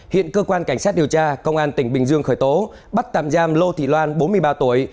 hiện cơ quan cảnh sát điều tra công an tỉnh bình dương khởi tố bắt tạm giam lô thị loan bốn mươi ba tuổi